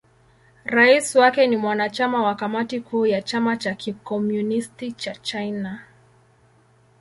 Rais wake ni mwanachama wa Kamati Kuu ya Chama cha Kikomunisti cha China.